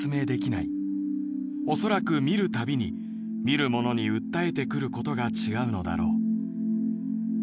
恐らく見るたびに見る者に訴えてくることが違うのだろう」。